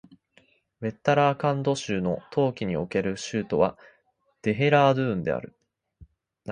ウッタラーカンド州の冬季における州都はデヘラードゥーンである